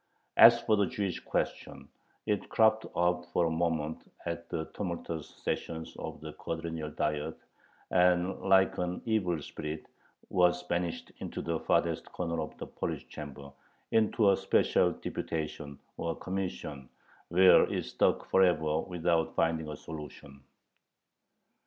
As for the Jewish question, it cropped up for a moment at the tumultuous sessions of the Quadrennial Diet, and like an evil spirit was banished into the farthest corner of the Polish Chamber, into a special "deputation," or commission, where it stuck forever, without finding a solution.